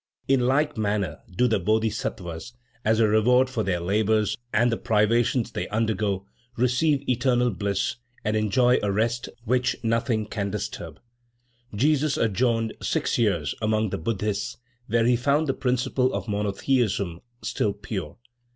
In like manner do the Bodhisattvas, as a reward for their labors and the privations they undergo, receive eternal bliss and enjoy a rest which nothing can disturb. Jesus sojourned six years among the Buddhists, where he found the principle of monotheism still pure.